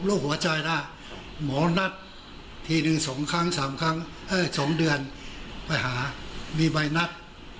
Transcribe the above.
ผมมีหัวใจแล้วหมอนัดทีหนึ่งสองครั้งสามครั้งเอ่อสองเดือนไปหามีใบนัด